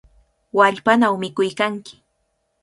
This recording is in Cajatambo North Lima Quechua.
¡Wallpanaw mikuykanki!